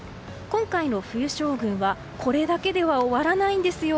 今回の冬将軍はこれだけでは終わらないんですよ。